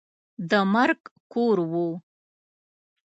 د مرګ کور وو.